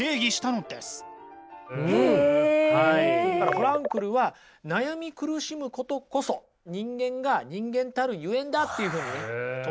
フランクルは悩み苦しむことこそ人間が人間たるゆえんだっていうふうにね唱えたわけですよ。